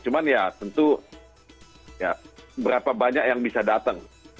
cuma ya tentu ya berapa banyak yang bisa datang pada acara ini